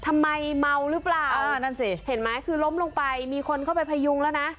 เมาหรือเปล่าเออนั่นสิเห็นไหมคือล้มลงไปมีคนเข้าไปพยุงแล้วนะ